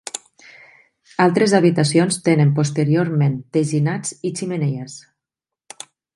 Altres habitacions tenen posteriorment teginats i xemeneies.